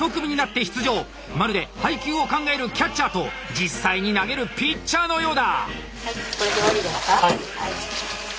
まるで配球を考えるキャッチャーと実際に投げるピッチャーのようだ！